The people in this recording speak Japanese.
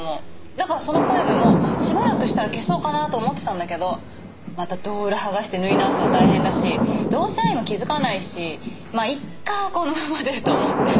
だからそのポエムもしばらくしたら消そうかなと思ってたんだけどまた胴裏剥がして縫い直すの大変だしどうせ愛も気づかないしまあいいかこのままでと思って。